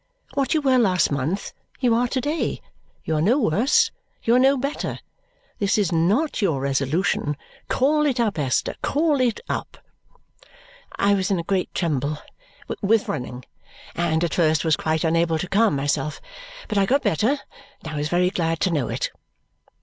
What you were last month, you are to day; you are no worse, you are no better. This is not your resolution; call it up, Esther, call it up!" I was in a great tremble with running and at first was quite unable to calm myself; but I got better, and I was very glad to know it.